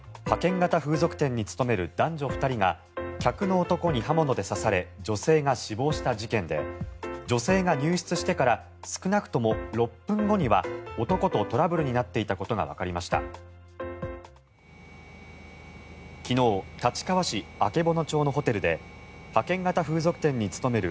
型風俗店に勤める男女２人が客の男に刃物で刺され女性が死亡した事件で女性が入室してから少なくとも６分後には男とトラブルになっていたことがわかりました。